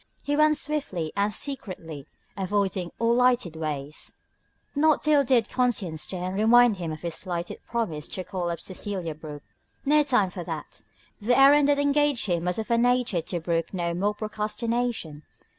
He went swiftly and secretly, avoiding all lighted ways. Not till then did conscience stir and remind him of his slighted promise to call up Cecelia Brooke. No time now for that; the errand that engaged him was of a nature to brook no more procrastination.